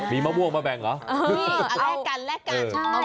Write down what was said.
มีมะบ่วงมาแบ่งเหรอ